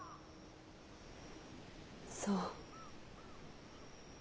そう。